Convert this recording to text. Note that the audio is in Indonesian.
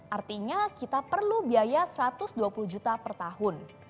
artinya kita perlu biaya satu ratus dua puluh juta per tahun